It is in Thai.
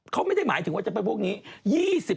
เขาไม่ได้หมายถึงว่าจะเป็นพวกนี้